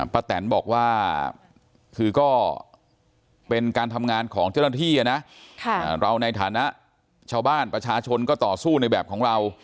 แตนบอกว่าคือก็เป็นการทำงานของเจ้าหน้าที่นะเราในฐานะชาวบ้านประชาชนก็ต่อสู้ในแบบของเรา